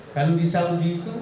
kalau di saudi itu